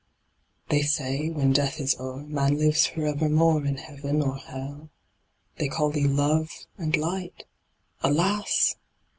They say, when death is o'er Man lives for evermore In heaven or hell ; They call Thee Love and Light Alas